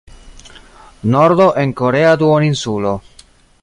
Nordo en korea duoninsulo.